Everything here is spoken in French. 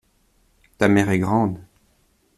Ta mère est grande.